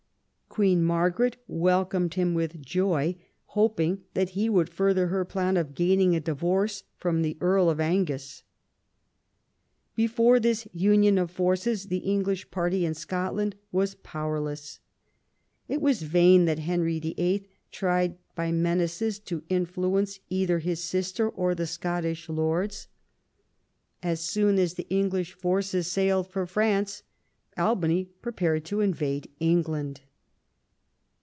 Queen Margaret welcomed him with joy, hoping that he would further her plan of gaining a divorce from the Earl of Angus. Before this union of forces the English party in Scotland was power less. It was in vain that Henry VIIL tried by menaces to influence either his sister or the Scottish lords. As soon 92 THOMAS WOLSEY chap. as the English forces sailed for France Albany prepared to invade England.